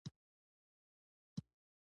لا زیاتو مرستو جذبولو زمینه ورته مساعدېږي.